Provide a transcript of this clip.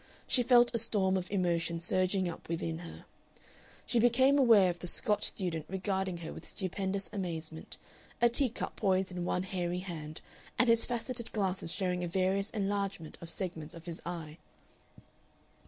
She felt a storm of emotion surging up within her. She became aware of the Scotch student regarding her with stupendous amazement, a tea cup poised in one hairy hand and his faceted glasses showing a various enlargement of segments of his eye.